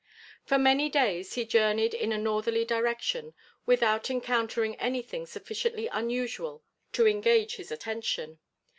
For many days he journeyed in a northerly direction, without encountering anything sufficiently unusual to engage his attention.